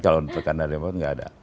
kalau tekanan waktu tidak ada